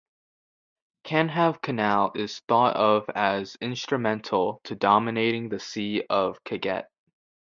Kanhave canal is thought of as instrumental to dominating the sea of Kattegat.